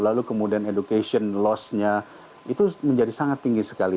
lalu kemudian education loss nya itu menjadi sangat tinggi sekali